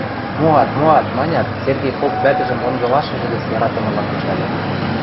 – Моат, моат, – манят, Серге поп вӓтӹжӹм онгылашыжы гӹц яратымыла кычальы